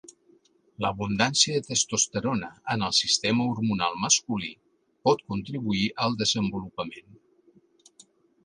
L'abundància de testosterona en el sistema hormonal masculí pot contribuir al desenvolupament.